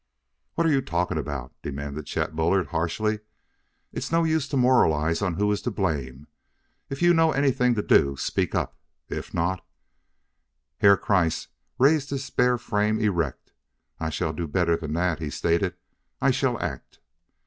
"What are you talking about?" demanded Chet Bullard harshly. "It's no use to moralize on who is to blame. If you know anything to do, speak up; if not " Herr Kreiss raised his spare frame erect. "I shall do better than that," he stated; "I shall act."